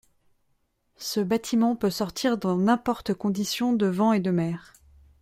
Ce bâtiment peut sortir dans n'importe condition de vents et de mer.